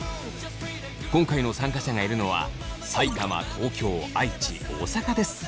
今回の参加者がいるのは埼玉東京愛知大阪です。